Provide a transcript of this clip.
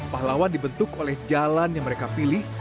pahlawan dibentuk oleh jalan yang mereka pilih